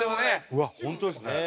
うわホントですね。